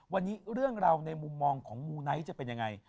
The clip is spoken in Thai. วันนี้เรื่องราวในมุมมองของมูไนท์จะเป็นยังไง